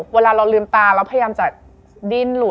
เวลาเราลืมตาเราพยายามจะดิ้นหลุด